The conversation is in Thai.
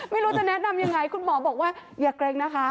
ไม่รู้จะแนะนำยังไงคุณหมอบอกว่าอย่าเกร็งนะคะ